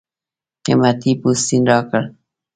قېمتي پوستین راکړ.